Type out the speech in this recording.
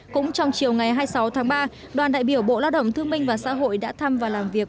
cũng trong chiều ngày hai mươi sáu tháng ba đoàn đại biểu bộ lao động thương minh và xã hội đã thăm và làm việc